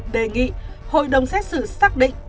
đề nghị hội đồng xét xử xác định